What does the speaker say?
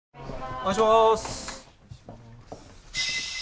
お願いします。